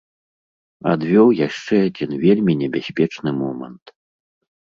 Адвёў яшчэ адзін вельмі небяспечны момант.